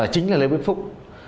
chính là lê viết phúc